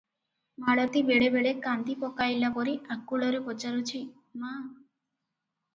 ମାଳତୀ ବେଳେ ବେଳେ କାନ୍ଦି ପକାଇଲା ପରି ଆକୁଳରେ ପଚାରୁଛି, "ମା!